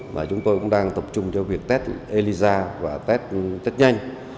và chúng tôi cũng đang tập trung cho việc test elisa và test chất nhanh